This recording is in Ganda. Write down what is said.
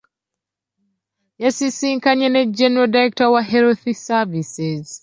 Yasisinkanye ne General Director wa health Services.